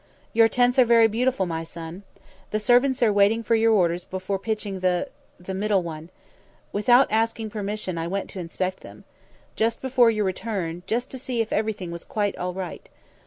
"Your tents are very beautiful, my son. The servants are waiting for your orders before pitching the the middle one. Without asking permission, I went to inspect them. Just before your return, just to see if everything was quite all right.